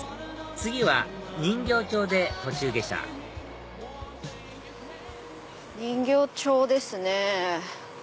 次は人形町で途中下車人形町ですね。